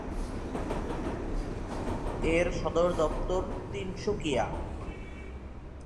এর সদর দপ্তর তিনসুকিয়া।